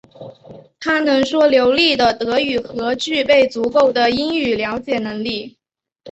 他能说流利的德语和具备足够的英语了解能力。